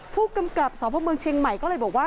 ผู้กำกับสพเมืองเชียงใหม่ก็เลยบอกว่า